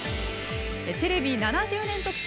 テレビ７０年特集。